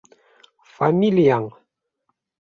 — Фамилияң?